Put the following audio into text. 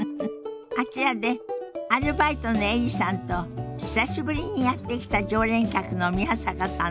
あちらでアルバイトのエリさんと久しぶりにやって来た常連客の宮坂さんのおしゃべりが始まりそうよ。